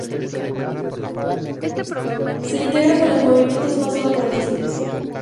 Se integra con los movimientos más vanguardistas.